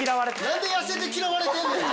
何で痩せて嫌われてんねん。